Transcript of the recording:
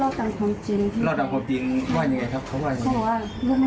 เล่าตังค์ภาพจีนว่าอย่างไรครับเขาว่าอยู่แล้วนะ